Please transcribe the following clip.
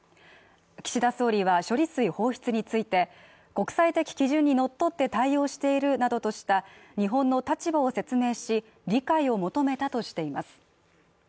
岸田総理は処理水放出について国際的基準にのっとって対応しているなどとした日本の立場を説明し理解を求めたとしています